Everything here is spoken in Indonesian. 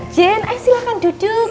jen ayo silahkan duduk